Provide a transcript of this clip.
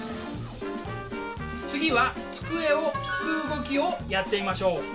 次は机を拭く動きをやってみましょう。